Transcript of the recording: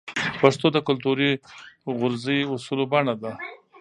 پښتو د کلتوري غورزی اصولو بڼه ده.